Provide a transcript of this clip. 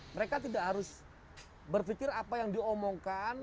mereka tidak harus berpikir apa yang diomongkan